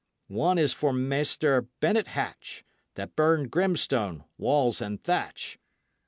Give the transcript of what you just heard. One is for Maister Bennet Hatch, That burned Grimstone, walls and thatch.